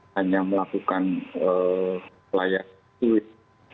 hanya melakukan layak duit